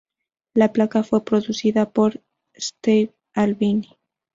La placa fue producida por Steve Albini.